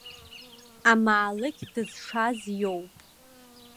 Амаалықь дызшаз иоуп.